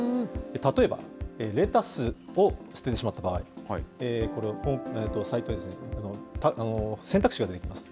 例えばレタスを捨ててしまった場合、これ、選択肢が出てきます。